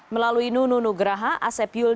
melalui nunu nugraha asep yul